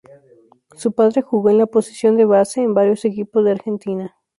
Su padre jugó en la posición de base en varios equipos de Argentina.